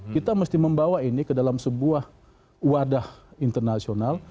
kita mesti membawa ini ke dalam sebuah wadah internasional